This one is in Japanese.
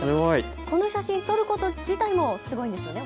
この写真、撮ること自体もすごいですよね。